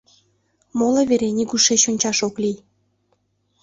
— Моло вере нигушеч ончаш ок лий...